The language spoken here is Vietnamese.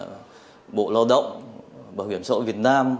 gửi ban nhân dân các tỉnh gửi bộ lao động bảo hiểm sổ việt nam